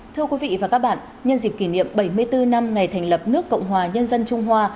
thưa quý vị và các bạn nhân dịp kỷ niệm bảy mươi bốn năm ngày thành lập nước cộng hòa nhân dân trung hoa